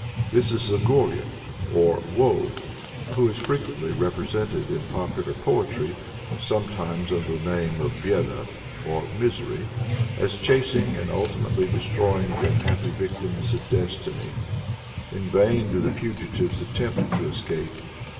This is Goré, or Woe, who is frequently represented in popular poetry sometimes under the name of Béda or Misery as chasing and ultimately destroying the unhappy victims of destiny. In vain do the fugitives attempt to escape.